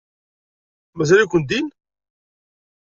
Mazal-iken din?